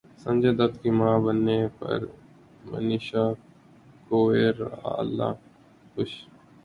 سنجے دت کی ماں بننے پرمنیشا کوئرالا خوش